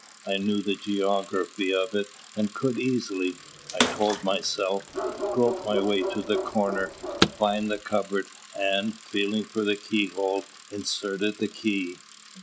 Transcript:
I knew the geography of it, and could easily I told myself grope my way to the corner, find the cupboard, and, feeling for the keyhole, insert the key.